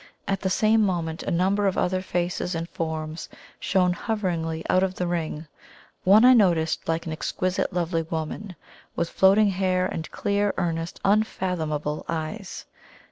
At the same moment a number of other faces and forms shone hoveringly out of the Ring; one I noticed like an exquisitely lovely woman, with floating hair and clear, earnest, unfathomable eyes.